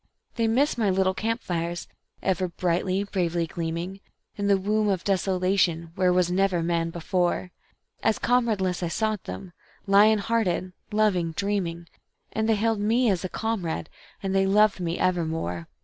They miss my little camp fires, ever brightly, bravely gleaming In the womb of desolation, where was never man before; As comradeless I sought them, lion hearted, loving, dreaming, And they hailed me as a comrade, and they loved me evermore.